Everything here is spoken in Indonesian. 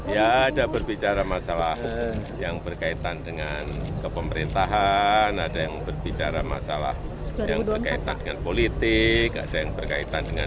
ya ada berbicara masalah yang berkaitan dengan kepemerintahan ada yang berbicara masalah yang berkaitan dengan politik ada yang berkaitan dengan